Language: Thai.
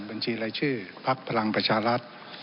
บัญชีไร้ชื่อภักดิ์พลังประชารัฐ